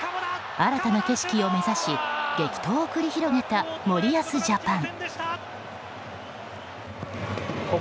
新たな景色を目指し激闘を繰り広げた森保ジャパン。